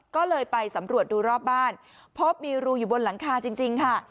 ก็เลยไปสำรวจดูรอบบ้านพบมีรูอยู่บนหลังคาจริงค่ะ